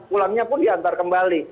pulangnya pun diantar kembali